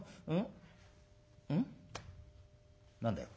何だよ？